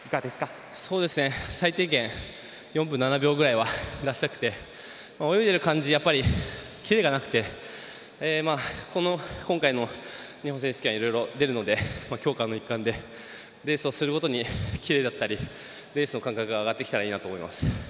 最低限４分７秒台は出したくて泳いでいる感じキレがなくて今回の日本選手権はいろいろ出るので強化の一環でレースをすることでキレだったり、レースの感覚が上がってきたらいいなと思います。